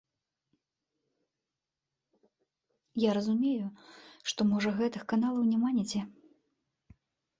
Я разумею, што, можа, гэтых каналаў няма нідзе.